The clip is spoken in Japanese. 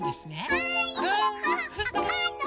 はい。